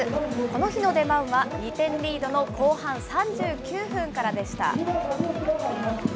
この日の出番は２点リードの後半３９分からでした。